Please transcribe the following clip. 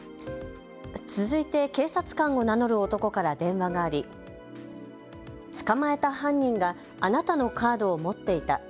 続いて警察官を名乗る男から電話があり、捕まえた犯人があなたのカードを持っていた。